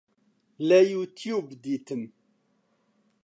لە یوتیوب دیتم